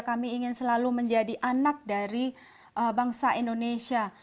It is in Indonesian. kami ingin selalu menjadi anak dari bangsa indonesia